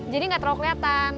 jadi gak terlalu keliatan